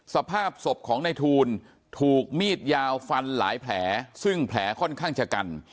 สภาพศพของในทูลถูกมีดยาวฟันหลายแผลซึ่งแผลค่อนข้างชะกัน